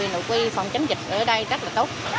về nội quy phòng chống dịch